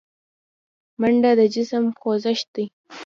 منډه د جسم خوځښت دی